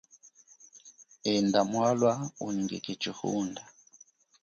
Enda mwalwa unyingike chihunda.